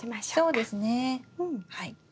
そうですねはい。